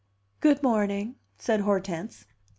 "Good morning," said Hortense.